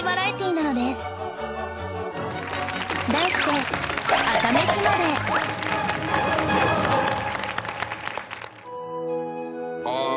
題してああ！